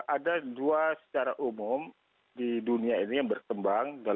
ada dua secara umum di dunia ini yang berkembang